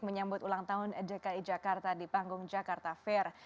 menyambut ulang tahun dki jakarta di panggung jakarta fair